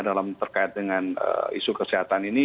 dalam terkait dengan isu kesehatan ini